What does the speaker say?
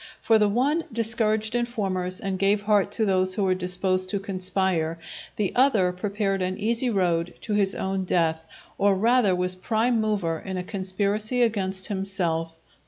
For the one discouraged informers and gave heart to those who were disposed to conspire, the other prepared an easy road to his own death, or rather was prime mover in a conspiracy against himself.